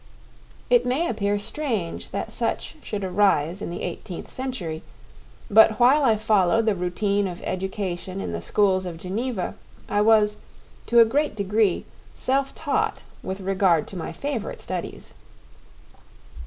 It may appear strange that such should arise in the eighteenth century; but while I followed the routine of education in the schools of Geneva, I was, to a great degree, self taught with regard to my favourite studies.